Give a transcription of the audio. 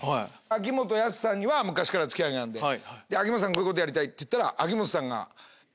秋元康さんには昔から付き合いがあるんでこういうことやりたい！って言ったら秋元さんがＡＫＢ。